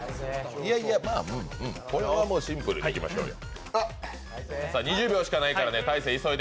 これはシンプルにいきましょうよ。